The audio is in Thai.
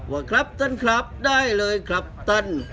ว่าครับท่านครับได้เลยครับท่าน